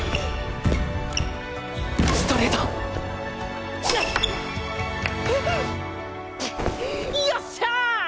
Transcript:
ストレートえっ！よっしゃ！